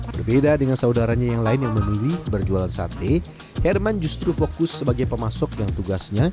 berbeda dengan saudaranya yang lain yang memilih berjualan sate herman justru fokus sebagai pemasok yang tugasnya